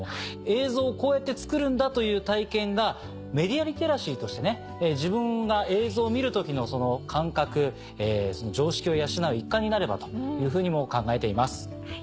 映像をこうやって作るんだという体験がメディアリテラシーとして自分が映像を見る時の感覚常識を養う一環になればというふうにも考えています。